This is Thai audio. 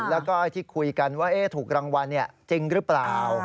แล้วก็ที่คุยกันว่าถูกรางวัลจริงหรือเปล่า